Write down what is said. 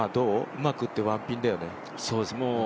うまく打って１ピンだよね。